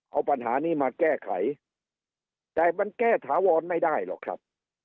เอาปัญหานี้มาแก้ไขแต่มันแก้ถาวรไม่ได้หรอกครับ